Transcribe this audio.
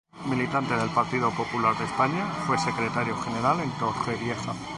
Militante del Partido Popular de España, fue secretario general en Torrevieja.